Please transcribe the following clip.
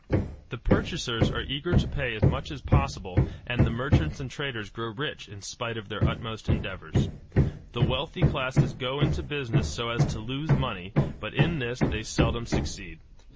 The purchasers are eager to pay as much as possible, and the merchants and traders grow rich in spite of their utmost endeavors. The wealthy classes go into business so as to lose money, but in this they seldom succeed.